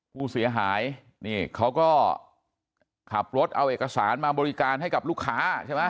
ผู้เสียหายนี่เขาก็ขับรถเอาเอกสารมาบริการให้กับลูกค้าใช่ไหม